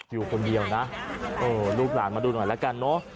อยู่คนเดียวนะลูกหลานมาดูหน่อยละกันเนอะ